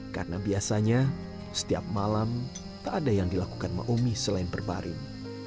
karena biasanya setiap malam tak ada yang dilakukan maumi selain berbaring